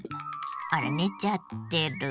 あら寝ちゃってる。